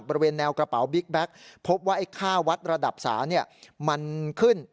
บริเวณแนวกระเป๋าบิ๊กแบ็คพบว่าไอ้ค่าวัดระดับศาลมันขึ้น